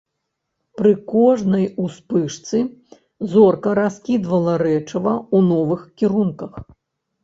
Пры кожнай успышцы зорка раскідвала рэчыва ў новых кірунках.